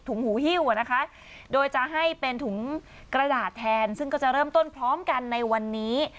หูหิ้วนะคะโดยจะให้เป็นถุงกระดาษแทนซึ่งก็จะเริ่มต้นพร้อมกันในวันนี้